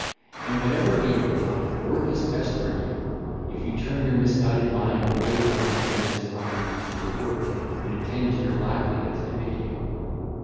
And whatever be your lot, work is best for you, if you turn your misguided mind away from other men's property to your work and attend to your livelihood as I bid you.